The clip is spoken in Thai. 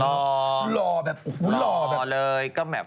หล่อหล่อแบบอุ้นหล่อแบบ